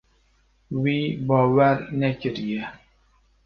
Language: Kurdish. Wî bawer nekiriye.